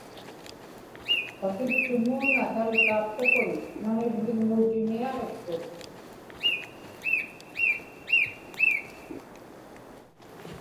pakiptumuuna helicopter-kun naŋirvigmuutiniaġikput